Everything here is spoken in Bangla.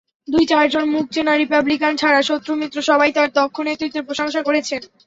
দু-চারজন মুখচেনা রিপাবলিকান ছাড়া শত্রু-মিত্র সবাই তাঁর দক্ষ নেতৃত্বের প্রশংসা করেছেন।